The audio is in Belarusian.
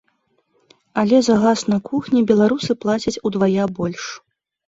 Але за газ на кухні беларусы плацяць удвая больш.